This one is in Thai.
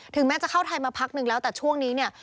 แม้จะเข้าไทยมาพักนึงแล้วแต่ช่วงนี้เนี่ย